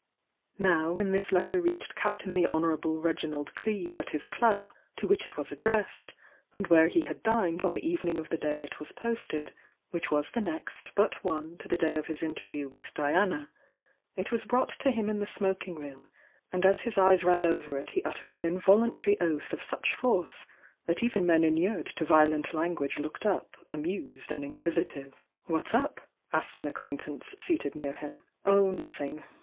Now when this letter reached Captain the Hon °Z^^^^3^f^BldCleeye at his club, towhich it wL addressed, and where he had dined on the evS of the day it was posted, which wa^ the next but o"f to the day of his mterview with Diana it was brought to hun in the smoking room, and m his ev« ran over it he uttered an involunta^ oath ^f sS iZt/"^^ even men inured to vident Cg^S ..^ "P. amused and inquisitive "'KuaKe him *'^ up?" asked an acquaintance seated near "Oh, nothing!